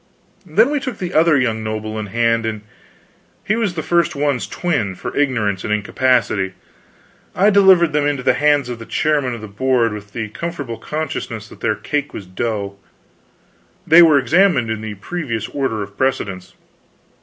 Then we took the other young noble in hand, and he was the first one's twin, for ignorance and incapacity. I delivered them into the hands of the chairman of the Board with the comfortable consciousness that their cake was dough. They were examined in the previous order of precedence.